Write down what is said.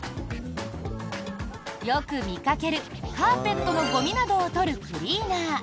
よく見かけるカーペットのゴミなどを取るクリーナー。